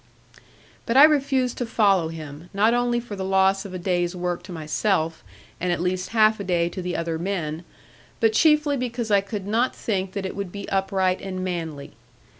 But I refused to follow him, not only for the loss of a day's work to myself, and at least half a day to the other men, but chiefly because I could not think that it would be upright and manly.